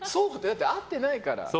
会ってないから。